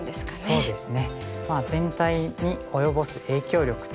そうですね。